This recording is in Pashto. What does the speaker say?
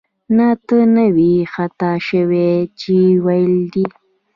نه، ته نه وې خطا شوې چې ویل دې